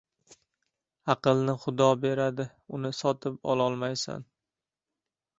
• Aqlni xudo beradi, uni sotib ololmaysan.